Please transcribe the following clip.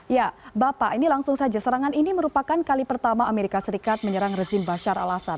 ya bapak ini langsung saja serangan ini merupakan kali pertama amerika serikat menyerang rezim bashar alasat